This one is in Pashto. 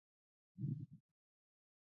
د څرمي توکو کارول دود و